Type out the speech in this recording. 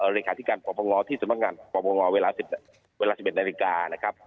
รีขาธิการประมงอที่สินภัยการประมงอเวลา๑๑นาที